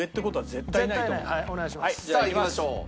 さあいきましょう。